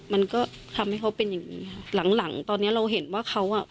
มันก็ทำให้เขาเป็นอย่างงี้ค่ะหลังหลังตอนเนี้ยเราเห็นว่าเขาอ่ะ